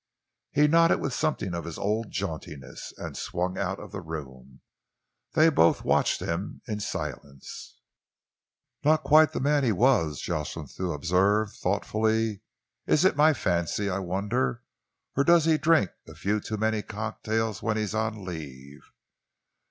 He nodded with something of his old jauntiness and swung out of the room. They both watched him in silence. "Not quite the young man he was," Jocelyn Thew observed thoughtfully. "Is it my fancy, I wonder, or does he drink a few too many cocktails when he is on leave?"